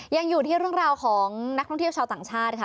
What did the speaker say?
ยังอยู่ที่เรื่องราวของนักท่องเที่ยวชาวต่างชาติค่ะ